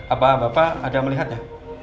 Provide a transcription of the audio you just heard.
apa bapak ada melihatnya